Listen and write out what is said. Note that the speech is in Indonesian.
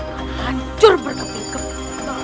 akan hancur berkeping keping